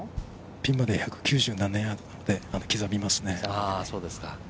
ピンまで１９７ヤードなので刻みますね。